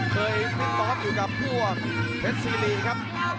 มิ้นตอบอยู่กับพวกเพชรซีรีย์ครับ